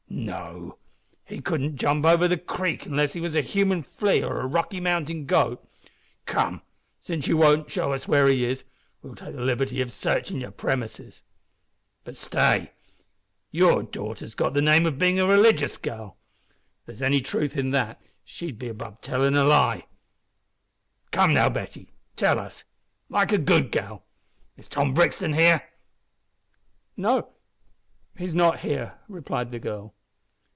"No, he couldn't jump over the creek, unless he was a human flea or a Rocky Mountain goat. Come, since you won't show us where he is, we'll take the liberty of sarchin' your premises. But stay, your daughter's got the name o' bein' a religious gal. If there's any truth in that she'd be above tellin' a lie. Come now, Betty, tell us, like a good gal, is Tom Brixton here?" "No, he is not here," replied the girl.